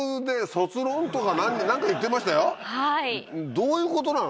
どういうことなの？